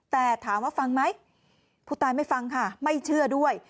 แต่ถามว่าฟังไหมผู้ตายไม่ฟังค่ะไม่เชื่อด้วย